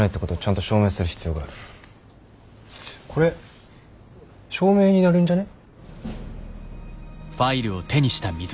これ証明になるんじゃね？